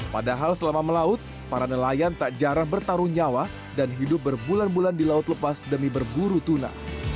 padahal selama melaut para nelayan tak jarang bertaruh nyawa dan hidup berbulan bulan di laut lepas demi berburu tuna